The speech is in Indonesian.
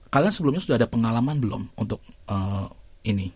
kalian sebelumnya sudah ada pengalaman belum untuk ini